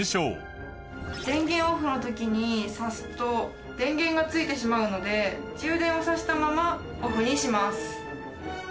電源オフの時にさすと電源がついてしまうので充電をさしたままオフにします。